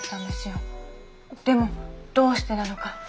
でもどうしてなのか？